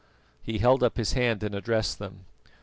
He held up his hand and addressed them.